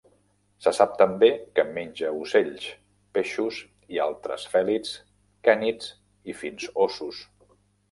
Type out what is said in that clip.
Se sap també que menja ocells, peixos, i altres fèlids, cànids i fins óssos.